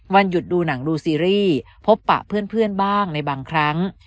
หยุดดูหนังดูซีรีส์พบปะเพื่อนบ้างในบางครั้ง